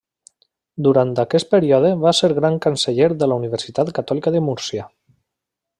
Durant aquest període va ser gran canceller de la Universitat Catòlica de Múrcia.